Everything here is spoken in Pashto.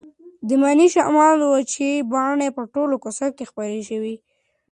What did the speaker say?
د مني شمال وچې پاڼې په ټوله کوڅه کې خپرې کړې وې.